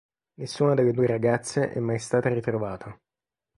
Nessuna delle due ragazze è mai stata ritrovata.